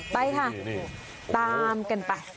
ไปค่ะตามกันไป